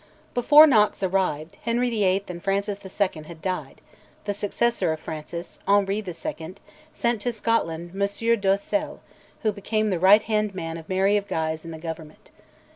Before Knox arrived, Henry VIII. and Francis II. had died; the successor of Francis, Henri II., sent to Scotland Monsieur d'Oysel, who became the right hand man of Mary of Guise in the Government.